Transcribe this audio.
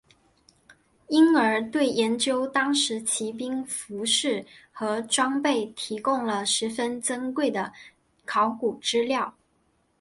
因而对研究当时骑兵服饰和装备提供了十分珍贵的考古资料。